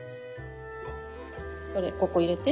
これここ入れて。